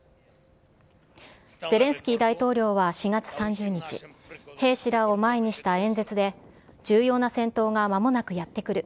ゼレンスキー大統領は４月３０日、兵士らを前にした演説で、重要な戦闘がまもなくやってくる。